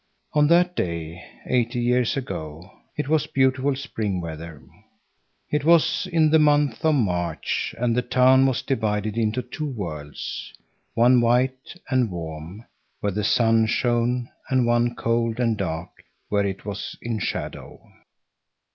On that day, eighty years ago, it was beautiful spring weather. It was in the month of March, and the town was divided into two worlds; one white and warm, where the sun shone, and one cold and dark, where it was in shadow.